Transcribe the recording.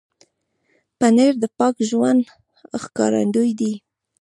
پنېر د پاک ژوند ښکارندوی دی.